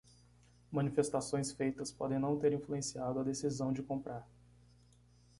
Manifestações feitas podem não ter influenciado a decisão de comprar.